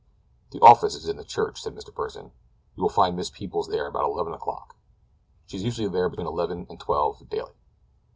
"The office is in the church," said Mr. Pursen. "You will find Miss Peebles there about eleven o'clock. She is usually there between eleven and twelve daily."